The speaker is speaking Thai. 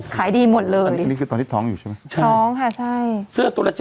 ขายดีหมดเลยอันนี้คือตอนที่ท้องอยู่ใช่ไหมใช่ท้องค่ะใช่